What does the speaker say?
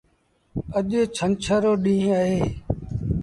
اَڄ ڇنڇر رو ڏيٚݩهݩ اهي۔